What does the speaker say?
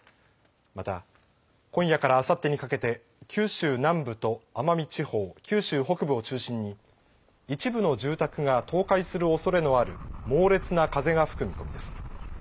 また、今夜からあさってにかけて九州南部と奄美地方、九州北部を中心に一部の住宅が倒壊するおそれのある猛烈な風が吹く見込みです。